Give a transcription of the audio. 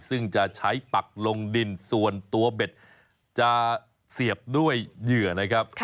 ซึ่งจะใช้ปักลงดินส่วนตัวเบ็ดจะเสียบด้วยเหยื่อนะครับ